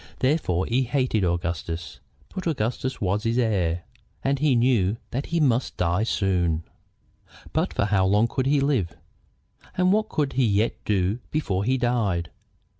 Therefore he hated Augustus. But Augustus was his heir, and he knew that he must die soon. But for how long could he live? And what could he yet do before he died?